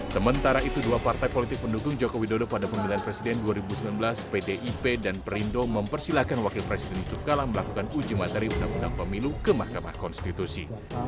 sementara itu dua partai politik pendukung jokowi dodo pada pemilihan presiden dua ribu sembilan belas pdip dan perindo mempersilahkan wakil presiden yusuf kala melakukan uji materi undang undang pemilu ke mahkamah konstitusi